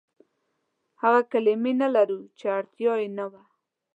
هغه کلمې نه لرو، چې اړتيا يې نه وه.